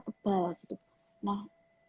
tebal gitu nah